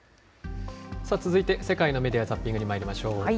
続いて世界のメディア・ザッピングにまいりましょう。